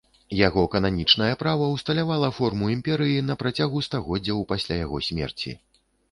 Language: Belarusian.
Яго кананічнае права ўсталявала форму імперыі на працягу стагоддзяў пасля яго смерці.